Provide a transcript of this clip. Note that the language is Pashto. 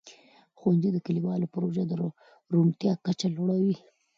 ښوونځي د کلیوالو پروژو د روڼتیا کچه لوړوي.